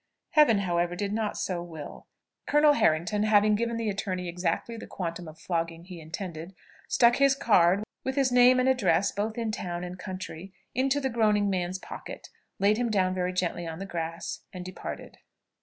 Heaven, however, did not so will; Colonel Harrington having given the attorney exactly the quantum of flogging he intended, stuck his card, with his name and address both in town and country, into the groaning man's pocket, laid him down very gently on the grass, and departed.